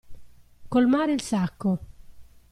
Colmare il sacco.